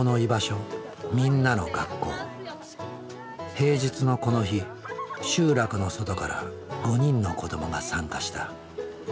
平日のこの日集落の外から５人の子どもが参加した。